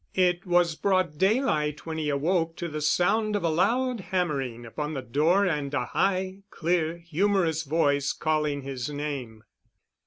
It was broad daylight when he awoke to the sound of a loud hammering upon the door and a high, clear, humorous voice calling his name.